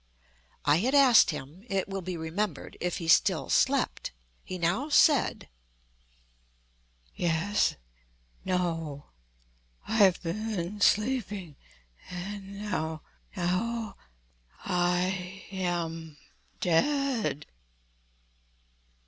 I had asked him, it will be remembered, if he still slept. He now said: "Yes;—no;—I have been sleeping—and now—now—I am dead."